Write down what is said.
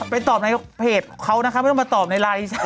ตอบในเพจเขานะคะไม่ต้องมาตอบในไลน์